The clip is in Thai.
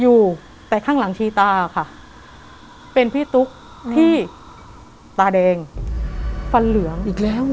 อยู่แต่ข้างหลังชีตาค่ะเป็นพี่ตุ๊กที่ตาแดงฟันเหลืองอีกแล้ว